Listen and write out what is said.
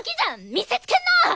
見せつけんな！